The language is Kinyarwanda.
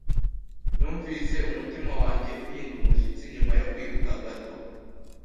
Numvise umutima wanjye uhinda umushyitsi nyuma yo kwiruka gato.